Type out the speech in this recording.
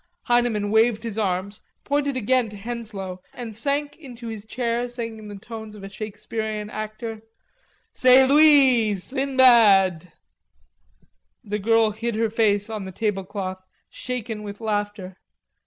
Heineman waved his arms, pointed again to Henslowe, and sank into his chair saying in the tones of a Shakespearean actor: "C'est lui Sinbad." The girl hid her face on the tablecloth, shaken with laughter.